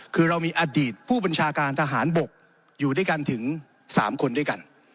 คือเรามีอดีตผู้บัญชาการทหารบกอยู่ด้วยกันถึง๓คนด้วยกัน